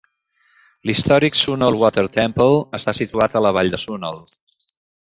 L'històric Sunol Water Temple està situat a la vall de Sunol.